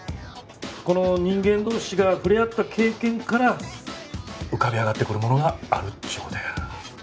この人間同士が触れ合った経験から浮かび上がってくるものがあるっちゅう事や。